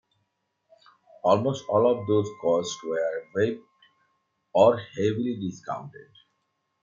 Almost all of these costs were waived or heavily discounted.